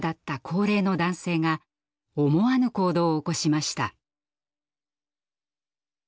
高齢の男性が思わぬ行動を起こしました。